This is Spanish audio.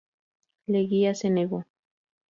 Leguía se negó.